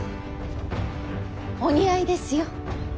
お似合いですよ。